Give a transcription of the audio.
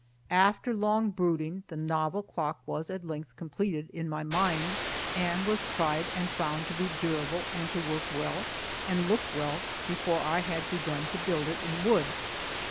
After long brooding, the novel clock was at length completed in my mind, and was tried and found to be durable and to work well and look well before I had begun to build it in wood.